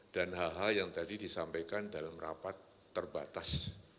dan hal hal yang tadi disampaikan dalam rapat terbatas